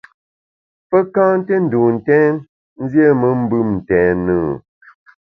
Pe ka nté ndun ntèn, nziéme mbùm ntèn e ?